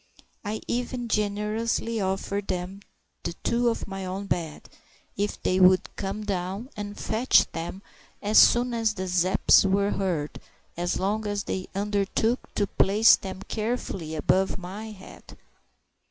I even generously offered them the two off my own bed, if they would come down and fetch them as soon as the Zepps were heard, so long as they undertook to place them carefully above my head.